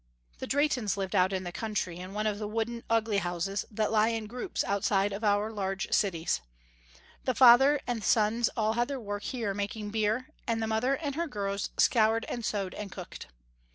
The Drehtens lived out in the country in one of the wooden, ugly houses that lie in groups outside of our large cities. The father and the sons all had their work here making beer, and the mother and her girls scoured and sewed and cooked.